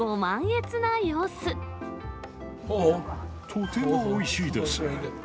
とてもおいしいです。